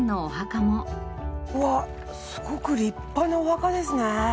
うわっすごく立派なお墓ですね。